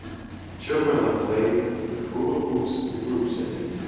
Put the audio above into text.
Children are playing with hula hoops in a group setting.